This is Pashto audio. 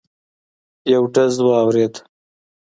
یو ډز واورېد.